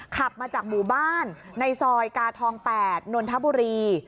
ขับมาจากหมู่บ้านในซอยกาทอง๘นนทบุรี